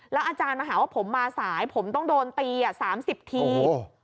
อาจารย์มาหาว่าผมมาสายผมต้องโดนตี๓๐ที